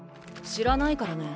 知らないからね。